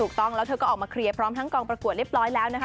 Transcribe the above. ถูกต้องแล้วเธอก็ออกมาเคลียร์พร้อมทั้งกองประกวดเรียบร้อยแล้วนะคะ